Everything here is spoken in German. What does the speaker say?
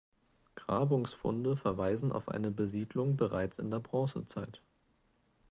Grabungsfunde verweisen auf eine Besiedlung bereits in der Bronzezeit.